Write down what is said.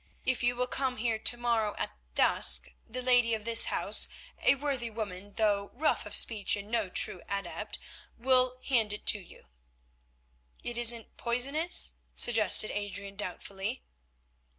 If you will come here to morrow at dusk, the lady of this house—a worthy woman, though rough of speech and no true adept—will hand it to you." "It isn't poisonous?" suggested Adrian doubtfully.